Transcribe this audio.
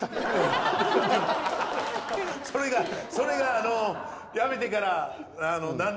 それがそれがあの辞めてから。